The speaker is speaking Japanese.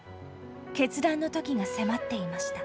決断の時が迫っていました。